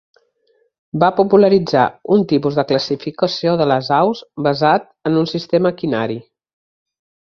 Va popularitzar un tipus de classificació de les aus basat en un sistema quinari.